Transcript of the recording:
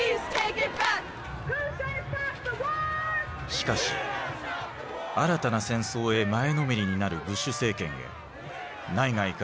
しかし新たな戦争へ前のめりになるブッシュ政権へ内外から疑問の声が沸き起こった。